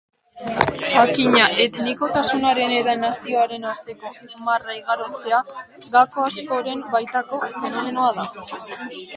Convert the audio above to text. Jakina, etnikotasunaren eta nazioaren arteko marra igarotzea gako askoren baitako fenomenoa da.